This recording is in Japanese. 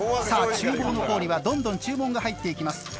さあ厨房の方にはどんどん注文が入っていきます。